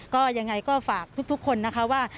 ก็ยังไงก็ฝากทุกคนนะคะว่า